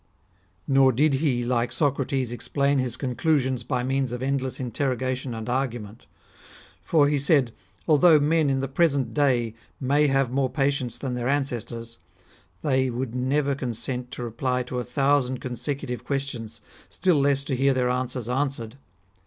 "Not did he, like Socrates, explain his conclusions by means of endless interrogation and argument ; for, he said, although men in the present day may have more patience than their ancestors, they would never consent to reply to a thousand consecutive questions, still less to hear their answers answered.